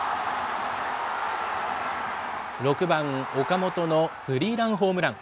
６番岡本のスリーランホームラン。